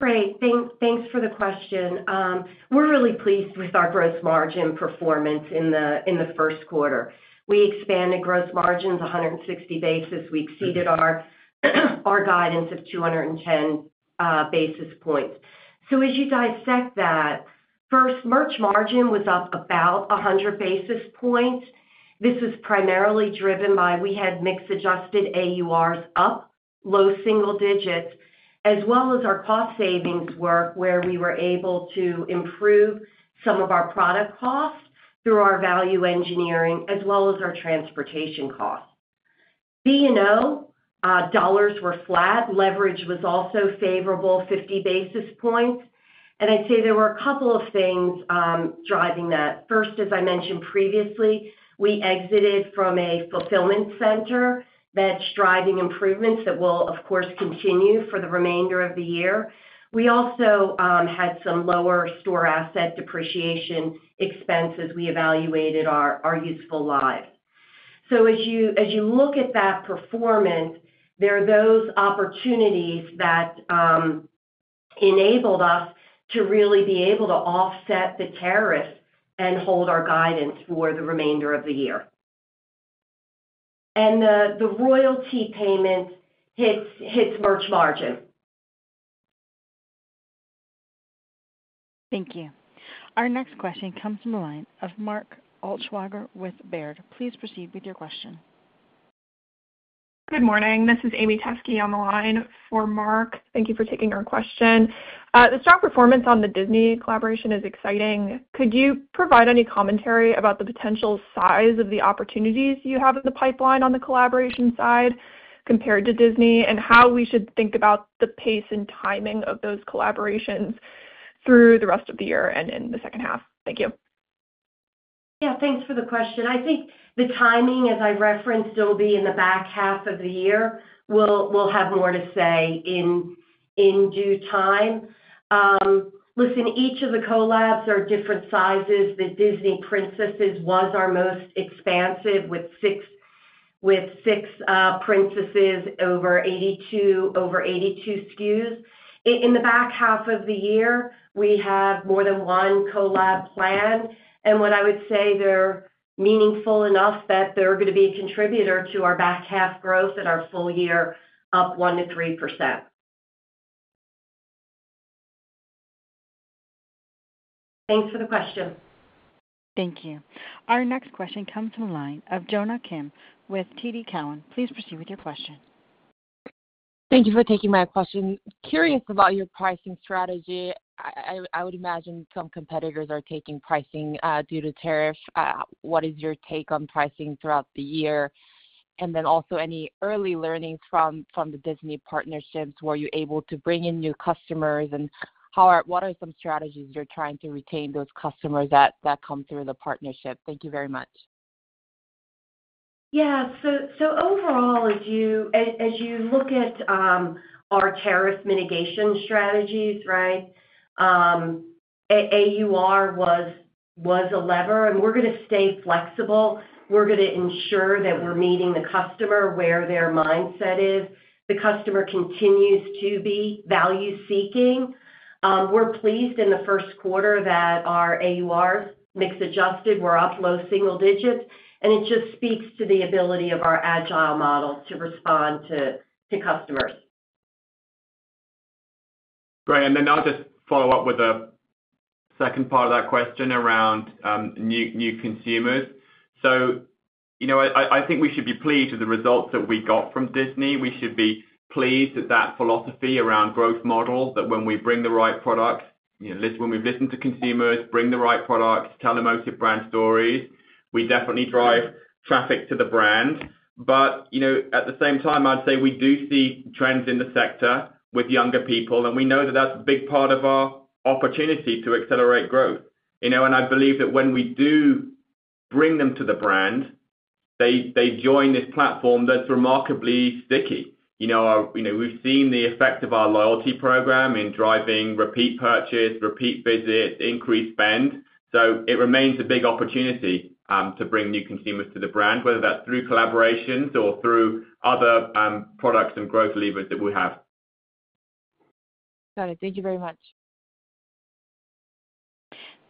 Great. Thanks for the question. We're really pleased with our gross margin performance in the first quarter. We expanded gross margins 160 basis points. We exceeded our guidance of 210 basis points. As you dissect that, first, merch margin was up about 100 basis points. This was primarily driven by we had mixed adjusted AURs up, low single digits, as well as our cost savings work where we were able to improve some of our product costs through our value engineering, as well as our transportation costs. B&O dollars were flat. Leverage was also favorable, 50 basis points. I'd say there were a couple of things driving that. First, as I mentioned previously, we exited from a fulfillment center that's driving improvements that will, of course, continue for the remainder of the year. We also had some lower store asset depreciation expenses. We evaluated our useful lives. As you look at that performance, there are those opportunities that enabled us to really be able to offset the tariffs and hold our guidance for the remainder of the year. The royalty payment hits merch margin. Thank you. Our next question comes from the line of Mark Altschwager with Baird. Please proceed with your question. Good morning. This is Amy Teske on the line for Mark. Thank you for taking our question. The strong performance on the Disney collaboration is exciting. Could you provide any commentary about the potential size of the opportunities you have in the pipeline on the collaboration side compared to Disney and how we should think about the pace and timing of those collaborations through the rest of the year and in the second half? Thank you. Yeah. Thanks for the question. I think the timing, as I referenced, it will be in the back half of the year. We'll have more to say in due time. Listen, each of the collabs are different sizes. The Disney Princess was our most expansive with six princesses over 85 SKUs. In the back half of the year, we have more than one collab planned. What I would say, they're meaningful enough that they're going to be a contributor to our back half growth and our full year up 1-3%. Thanks for the question. Thank you. Our next question comes from the line of Jonna Kim with TD Cowen. Please proceed with your question. Thank you for taking my question. Curious about your pricing strategy. I would imagine some competitors are taking pricing due to tariffs. What is your take on pricing throughout the year? Also, any early learnings from the Disney partnerships? Were you able to bring in new customers? What are some strategies you're trying to retain those customers that come through the partnership? Thank you very much. Yeah. Overall, as you look at our tariff mitigation strategies, right, AUR was a lever. We're going to stay flexible. We're going to ensure that we're meeting the customer where their mindset is. The customer continues to be value-seeking. We're pleased in the first quarter that our AURs, mixed adjusted, were up low single digits. It just speaks to the ability of our agile model to respond to customers. Great. I'll just follow up with the second part of that question around new consumers. I think we should be pleased with the results that we got from Disney. We should be pleased with that philosophy around growth model that when we bring the right products, when we've listened to consumers, bring the right products, tell emotive brand stories, we definitely drive traffic to the brand. At the same time, I'd say we do see trends in the sector with younger people. We know that that's a big part of our opportunity to accelerate growth. I believe that when we do bring them to the brand, they join this platform that's remarkably sticky. We've seen the effect of our loyalty program in driving repeat purchase, repeat visit, increased spend. It remains a big opportunity to bring new consumers to the brand, whether that's through collaborations or through other products and growth levers that we have. Got it. Thank you very much.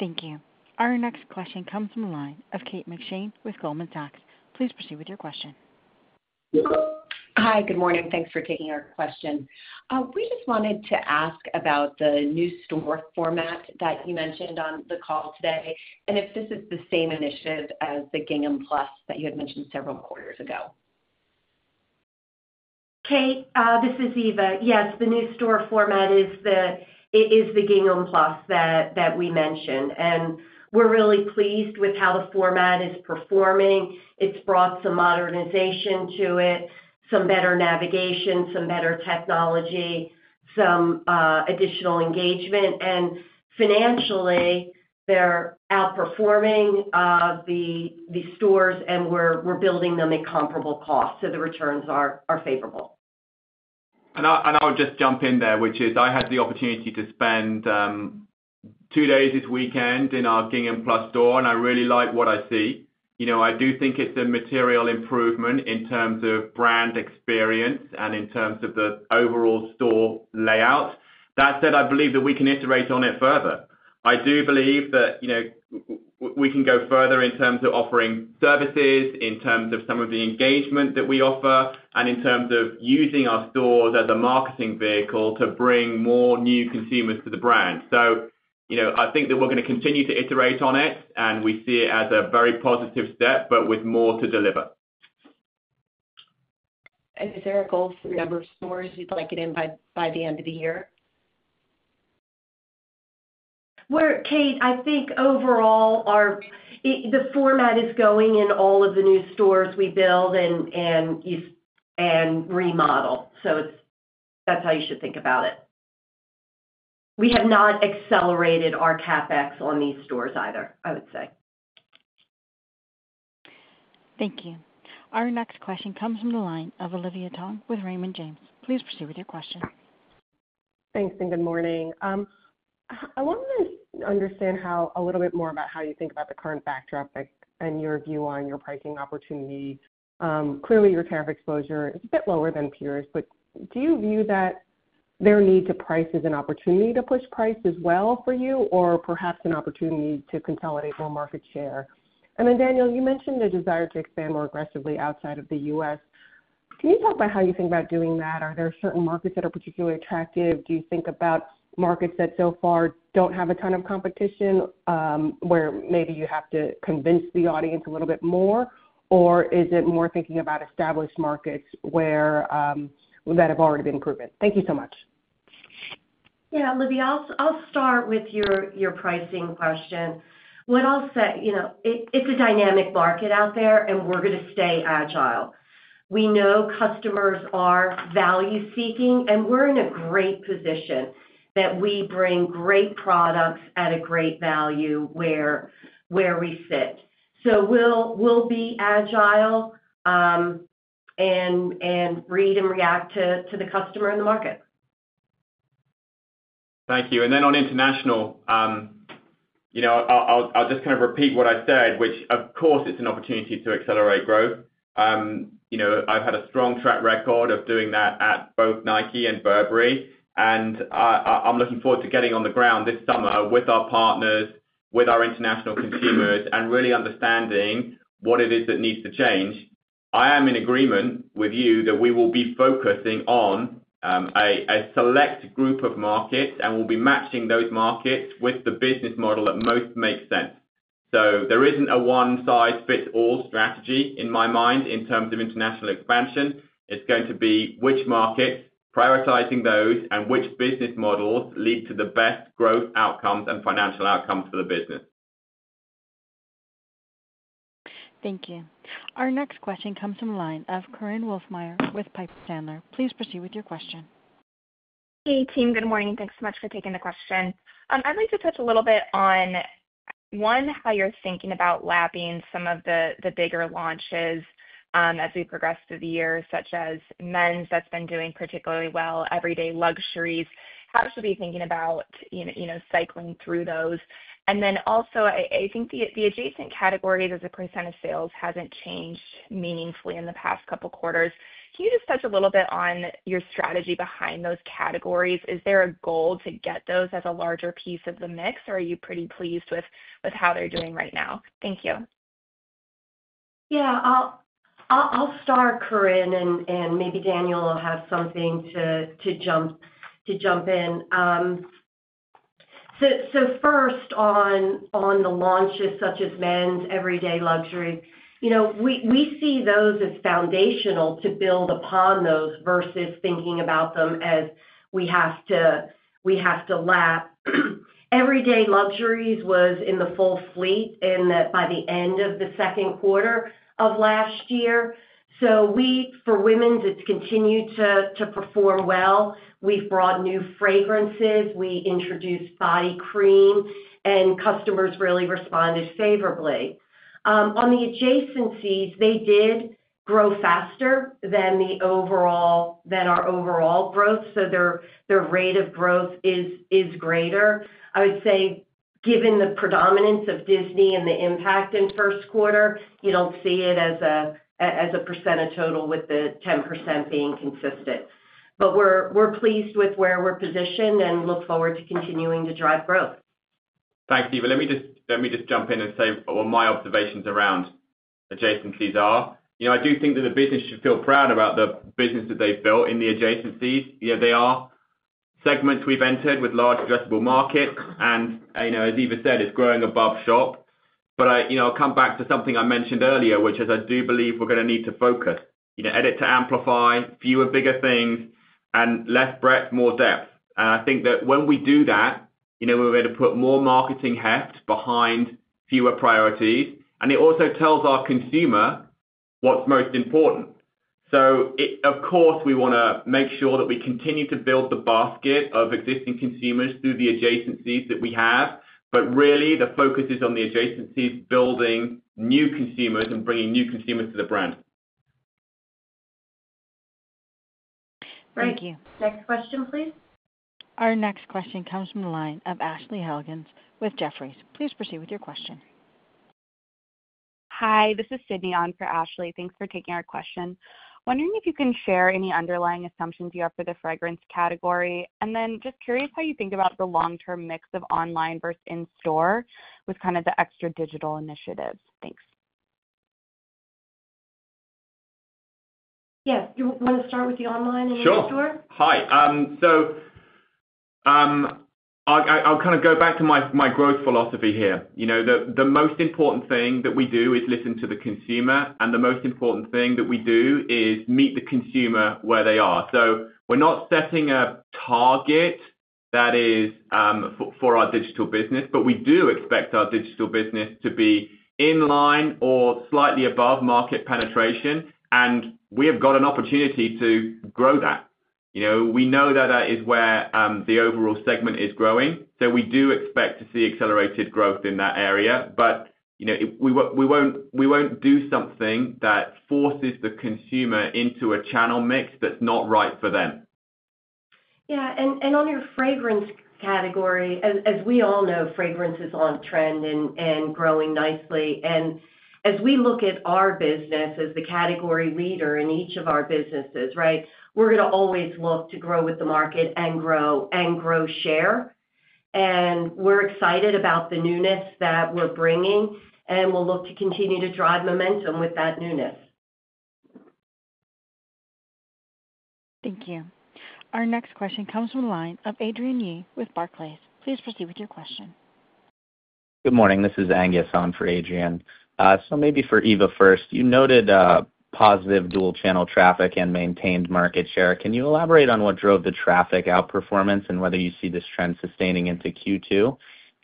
Thank you. Our next question comes from the line of Kate McShane with Goldman Sachs. Please proceed with your question. Hi. Good morning. Thanks for taking our question. We just wanted to ask about the new store format that you mentioned on the call today and if this is the same initiative as the Gingham Plus that you had mentioned several quarters ago. Kate, this is Eva. Yes, the new store format is the Gingham Plus that we mentioned. We are really pleased with how the format is performing. It has brought some modernization to it, some better navigation, some better technology, some additional engagement. Financially, they are outperforming the stores, and we are building them at comparable costs. The returns are favorable. I will just jump in there, which is I had the opportunity to spend two days this weekend in our Gingham Plus store, and I really like what I see. I do think it is a material improvement in terms of brand experience and in terms of the overall store layout. That said, I believe that we can iterate on it further. I do believe that we can go further in terms of offering services, in terms of some of the engagement that we offer, and in terms of using our stores as a marketing vehicle to bring more new consumers to the brand. I think that we're going to continue to iterate on it, and we see it as a very positive step, but with more to deliver. Is there a goal for number of stores you'd like it in by the end of the year? Kate, I think overall, the format is going in all of the new stores we build and remodel. That's how you should think about it. We have not accelerated our CapEx on these stores either, I would say. Thank you. Our next question comes from the line of Olivia Tong with Raymond James. Please proceed with your question. Thanks. Good morning. I want to understand a little bit more about how you think about the current backdrop and your view on your pricing opportunity. Clearly, your tariff exposure is a bit lower than peers, but do you view their need to price as an opportunity to push price as well for you or perhaps an opportunity to consolidate more market share? Daniel, you mentioned a desire to expand more aggressively outside of the U.S. Can you talk about how you think about doing that? Are there certain markets that are particularly attractive? Do you think about markets that so far do not have a ton of competition where maybe you have to convince the audience a little bit more? Or is it more thinking about established markets that have already been proven? Thank you so much. Yeah, Olivia, I'll start with your pricing question. It's a dynamic market out there, and we're going to stay agile. We know customers are value-seeking, and we're in a great position that we bring great products at a great value where we sit. We'll be agile and read and react to the customer and the market. Thank you. Then on international, I'll just kind of repeat what I said, which, of course, it's an opportunity to accelerate growth. I've had a strong track record of doing that at both Nike and Burberry. I'm looking forward to getting on the ground this summer with our partners, with our international consumers, and really understanding what it is that needs to change. I am in agreement with you that we will be focusing on a select group of markets and will be matching those markets with the business model that most makes sense. There isn't a one-size-fits-all strategy in my mind in terms of international expansion. It's going to be which markets, prioritizing those, and which business models lead to the best growth outcomes and financial outcomes for the business. Thank you. Our next question comes from the line of Korinne Wolfmeyer with Piper Sandler. Please proceed with your question. Hey, team. Good morning. Thanks so much for taking the question. I'd like to touch a little bit on, one, how you're thinking about lapping some of the bigger launches as we progress through the year, such as men's that's been doing particularly well, Everyday Luxuries. How should we be thinking about cycling through those? I think the adjacent categories as a % of sales has not changed meaningfully in the past couple of quarters. Can you just touch a little bit on your strategy behind those categories? Is there a goal to get those as a larger piece of the mix, or are you pretty pleased with how they are doing right now? Thank you. Yeah. I will start, Corinne, and maybe Daniel will have something to jump in. First, on the launches such as men's Everyday Luxuries, we see those as foundational to build upon versus thinking about them as we have to lap. Everyday Luxuries was in the full fleet by the end of the second quarter of last year. For women's, it has continued to perform well. We have brought new fragrances. We introduced body cream, and customers really responded favorably. On the adjacencies, they did grow faster than our overall growth. So their rate of growth is greater. I would say, given the predominance of Disney and the impact in first quarter, you do not see it as a % of total with the 10% being consistent. But we are pleased with where we are positioned and look forward to continuing to drive growth. Thanks, Eva. Let me just jump in and say what my observations around adjacencies are. I do think that the business should feel proud about the business that they have built in the adjacencies. They are segments we have entered with large addressable markets. And as Eva said, it is growing above shop. But I will come back to something I mentioned earlier, which is I do believe we are going to need to focus, edit to amplify, fewer bigger things, and less breadth, more depth. I think that when we do that, we're going to put more marketing heft behind fewer priorities. It also tells our consumer what's most important. Of course, we want to make sure that we continue to build the basket of existing consumers through the adjacencies that we have. Really, the focus is on the adjacencies, building new consumers and bringing new consumers to the brand. Thank you. Next question, please. Our next question comes from the line of Ashley Helgans with Jefferies. Please proceed with your question. Hi. This is Sydney on for Ashley. Thanks for taking our question. Wondering if you can share any underlying assumptions you have for the fragrance category. Just curious how you think about the long-term mix of online versus in-store with kind of the extra digital initiatives. Thanks. Yes. You want to start with the online and in-store? Sure. Hi. I'll kind of go back to my growth philosophy here. The most important thing that we do is listen to the consumer. The most important thing that we do is meet the consumer where they are. We're not setting a target that is for our digital business, but we do expect our digital business to be in line or slightly above market penetration. We have got an opportunity to grow that. We know that that is where the overall segment is growing. We do expect to see accelerated growth in that area. We won't do something that forces the consumer into a channel mix that's not right for them. Yeah. On your fragrance category, as we all know, fragrance is on trend and growing nicely. As we look at our business as the category leader in each of our businesses, right, we're going to always look to grow with the market and grow share. We're excited about the newness that we're bringing. We'll look to continue to drive momentum with that newness. Thank you. Our next question comes from the line of Adrian Yee with Barclays. Please proceed with your question. Good morning. This is Angus on for Adrian. Maybe for Eva first, you noted positive dual-channel traffic and maintained market share. Can you elaborate on what drove the traffic outperformance and whether you see this trend sustaining into Q2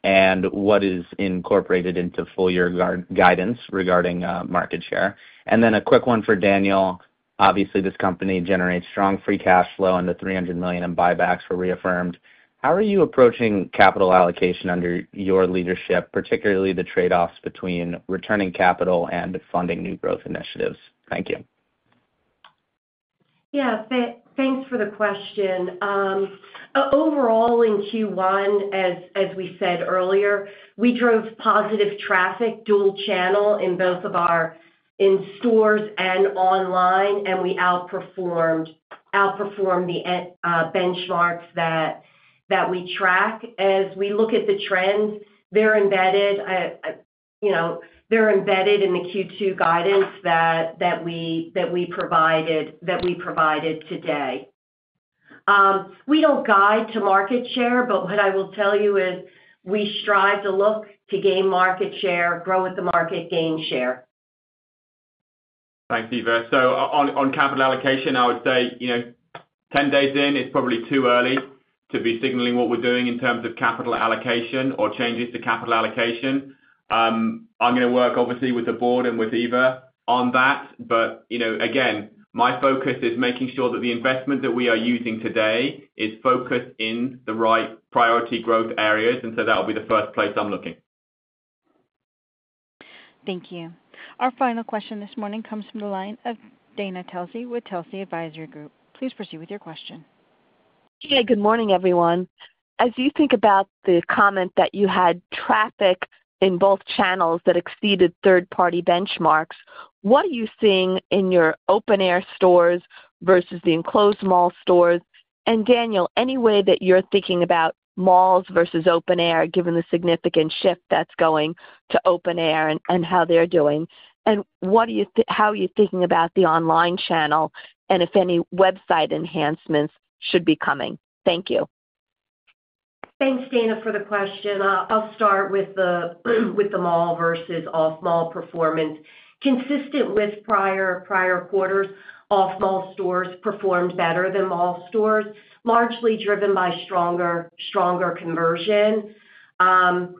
and what is incorporated into full-year guidance regarding market share? A quick one for Daniel. Obviously, this company generates strong free cash flow and the $300 million in buybacks were reaffirmed. How are you approaching capital allocation under your leadership, particularly the trade-offs between returning capital and funding new growth initiatives? Thank you. Yeah. Thanks for the question. Overall, in Q1, as we said earlier, we drove positive traffic dual-channel in both of our in-stores and online, and we outperformed the benchmarks that we track. As we look at the trends, they're embedded in the Q2 guidance that we provided today. We do not guide to market share, but what I will tell you is we strive to look to gain market share, grow with the market, gain share. Thanks, Eva. On capital allocation, I would say 10 days in, it is probably too early to be signaling what we are doing in terms of capital allocation or changes to capital allocation. I am going to work, obviously, with the board and with Eva on that. But again, my focus is making sure that the investment that we are using today is focused in the right priority growth areas. That will be the first place I'm looking. Thank you. Our final question this morning comes from the line of Dana Telsey with Telsey Advisory Group. Please proceed with your question. Hey, good morning, everyone. As you think about the comment that you had, traffic in both channels that exceeded third-party benchmarks, what are you seeing in your open-air stores versus the enclosed mall stores? Daniel, any way that you're thinking about malls versus open-air, given the significant shift that's going to open-air and how they're doing? How are you thinking about the online channel and if any website enhancements should be coming? Thank you. Thanks, Dana, for the question. I'll start with the mall versus off-mall performance. Consistent with prior quarters, off-mall stores performed better than mall stores, largely driven by stronger conversion. That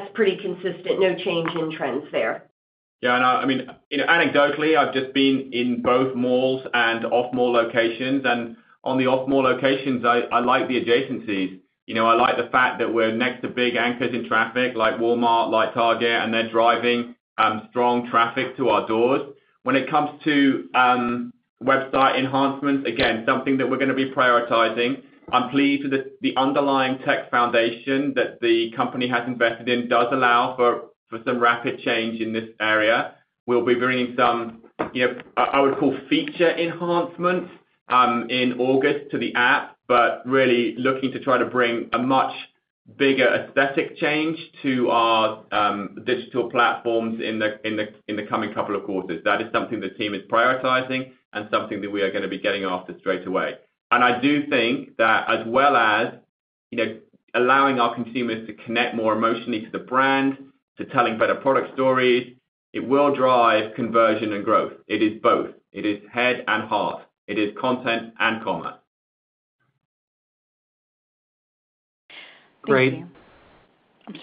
is pretty consistent. No change in trends there. Yeah. I mean, anecdotally, I have just been in both malls and off-mall locations. On the off-mall locations, I like the adjacencies. I like the fact that we are next to big anchors in traffic like Walmart, like Target, and they are driving strong traffic to our doors. When it comes to website enhancements, again, something that we are going to be prioritizing. I am pleased with the underlying tech foundation that the company has invested in. It does allow for some rapid change in this area. We will be bringing some, I would call, feature enhancements in August to the app, but really looking to try to bring a much bigger aesthetic change to our digital platforms in the coming couple of quarters. That is something the team is prioritizing and something that we are going to be getting after straight away. I do think that as well as allowing our consumers to connect more emotionally to the brand, to telling better product stories, it will drive conversion and growth. It is both. It is head and heart. It is content and commerce. Great.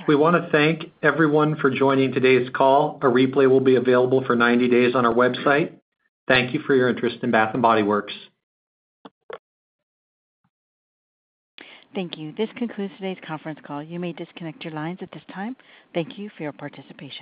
We want to thank everyone for joining today's call. A replay will be available for 90 days on our website. Thank you for your interest in Bath & Body Works. Thank you. This concludes today's conference call. You may disconnect your lines at this time. Thank you for your participation.